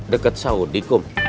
deket saudi kum